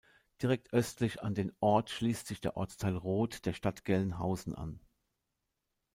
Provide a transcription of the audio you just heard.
Direkt östlich an den Ort schließt sich der Ortsteil Roth der Stadt Gelnhausen an.